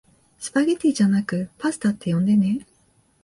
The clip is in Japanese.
スパゲティじゃなくパスタって呼んでね